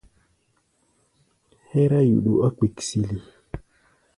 Hɛ́rá yuɗu ɔ́ kpiksili.